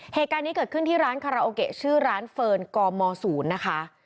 เหตุการณ์นี้เกิดขึ้นที่ร้านคาราโอเกะชื่อร้านเฟิร์นกม๐นะคะ